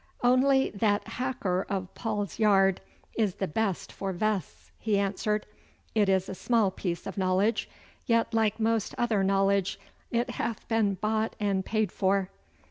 'Only that Hacker of Paul's Yard is the best for vests,' he answered. 'It is a small piece of knowledge, yet like most other knowledge it hath been bought and paid for.